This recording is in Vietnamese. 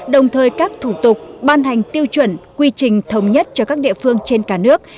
đồng thời các thủ tục ban hành tiêu chuẩn quy trình thống nhất cho các địa phương trên cả nước